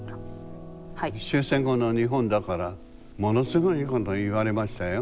終戦後の日本だからものすごいこと言われましたよ。